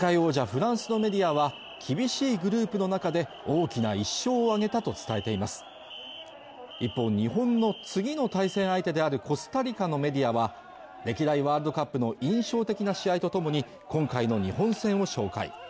フランスのメディアは厳しいグループの中で大きな１勝を挙げたと伝えています一方日本の次の対戦相手であるコスタリカのメディアは歴代ワールドカップの印象的な試合とともに今回の日本戦を紹介